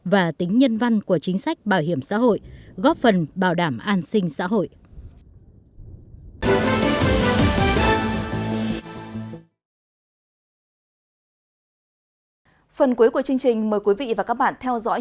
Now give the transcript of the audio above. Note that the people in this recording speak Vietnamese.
và tính nhân văn của chính sách bảo hiểm xã hội góp phần bảo đảm an sinh xã hội